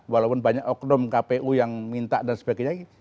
walaupun banyak oknum kpu yang minta dan sebagainya